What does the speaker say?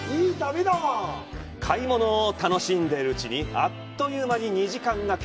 買い物を楽しんでいるうちに、あっという間に２時間。